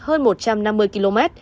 hơn một trăm năm mươi km